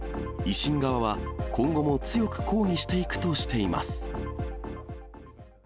維新側は今後も強く抗議していくとしています。